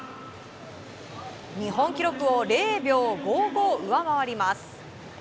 日本記録を０秒５５上回ります。